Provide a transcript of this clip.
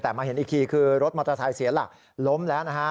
แต่มาเห็นอีกทีคือรถมอเตอร์ไซค์เสียหลักล้มแล้วนะฮะ